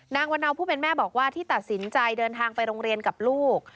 นางวันเนาผู้เป็นแม่บอกว่าที่ตัดสินใจเดินทางไปโรงเรียนกับลูก